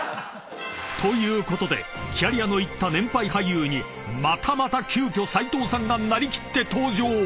［ということでキャリアのいった年配俳優にまたまた急きょ斉藤さんが成り切って登場］